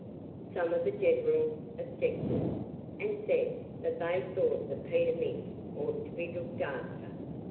Some of the generals objected, and said that they thought that Peter Mink ought to be looked after.